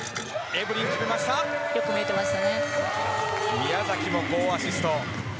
宮崎も好アシスト。